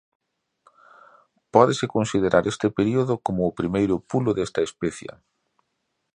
Pódese considerar este período como o primeiro pulo desta especia.